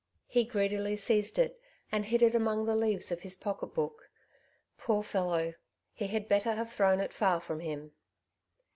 He greedily seized it, and hid it among the leaves of his pocket book. Poor fellow ! he had better have thrown it far from him.